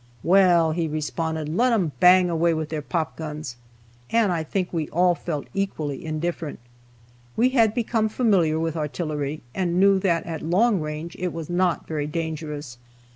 "Well," he responded, "let 'em bang away with their pop guns!" and I think we all felt equally indifferent. We had become familiar with artillery and knew that at long range it was not very dangerous.